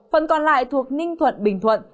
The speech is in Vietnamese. phần còn lại thuộc ninh thuận bình thuận